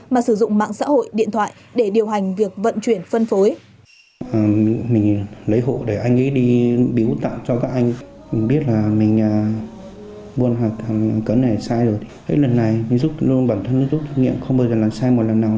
mà sử dụng mạng xã hội điện thoại để điều hành việc vận chuyển phân phối